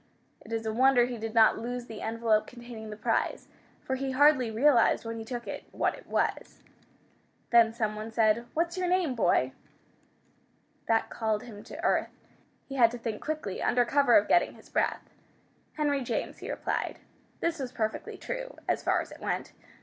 It is a wonder he did not lose the envelope containing the prize, for he hardly realized when he took it what it was. Then someone said, "What's your name, boy?" [Illustration: Henry felt himself lifted on many shoulders] That called him to earth. He had to think quickly under cover of getting his breath. "Henry James," he replied. This was perfectly true, as far as it went.